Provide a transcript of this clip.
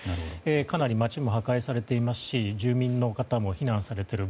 かなり街も破壊されていますし住民の方も避難されている。